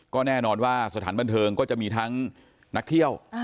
ก็แน่นอนว่าสถานบันเทิงก็จะมีทั้งนักเที่ยว